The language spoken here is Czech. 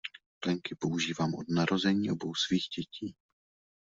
Plenky používám od narození obou svých dětí.